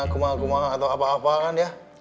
kumah kumah atau apa apa kan ya